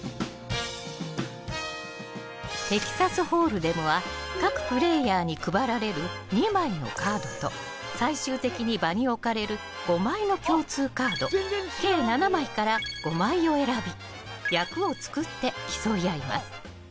テキサスホールデムは各プレーヤーに配られる２枚のカードと最終的に場に置かれる５枚の共通カード計７枚から５枚を選び役を作って競い合います。